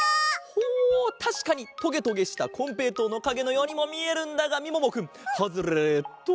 ほうたしかにトゲトゲしたこんぺいとうのかげのようにもみえるんだがみももくんハズレット。